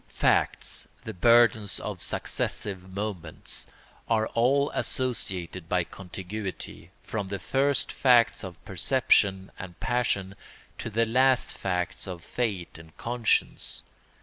Facts—the burdens of successive moments—are all associated by contiguity, from the first facts of perception and passion to the last facts of fate and conscience.